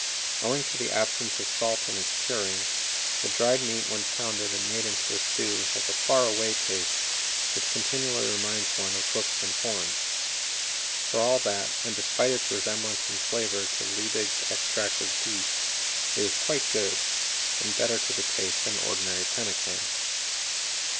Owing to the absence of salt in its curing, the dried meat when pounded and made into a stew has a "far away" taste which continually reminds one of hoofs and horns. For all that, and despite its resemblance in flavor to Liebig's Extract of Beef, it is quite good, and better to the taste than ordinary pemmican.